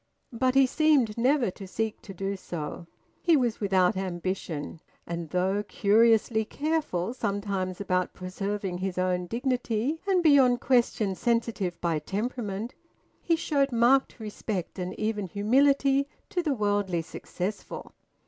But he seemed never to seek to do so. He was without ambition; and, though curiously careful sometimes about preserving his own dignity, and beyond question sensitive by temperament, he showed marked respect, and even humility, to the worldly successful.